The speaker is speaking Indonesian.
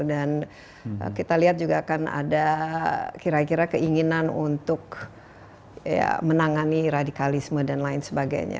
dan kita lihat juga kan ada kira kira keinginan untuk menangani radikalisme dan lain sebagainya